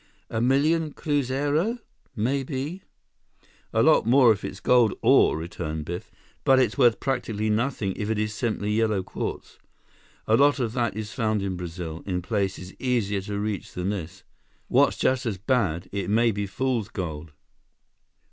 A million cruzeiro—maybe?" "A lot more, if it's gold ore," returned Biff. "But it's worth practically nothing if it is simply yellow quartz. A lot of that is found in Brazil, in places easier to reach than this. What's just as bad, it may be fool's gold."